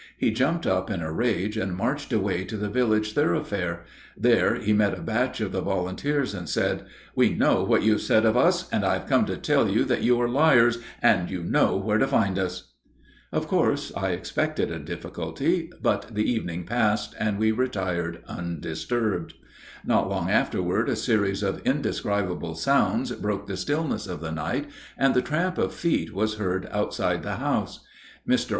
He jumped up in a rage and marched away to the village thoroughfare. There he met a batch of the volunteers, and said, "We know what you have said of us, and I have come to tell you that you are liars, and you know where to find us." Of course I expected a difficulty; but the evening passed, and we retired undisturbed. Not long afterward a series of indescribable sounds broke the stillness of the night, and the tramp of feet was heard outside the house. Mr.